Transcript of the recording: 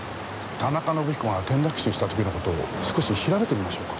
田中伸彦が転落死した時の事を少し調べてみましょうか。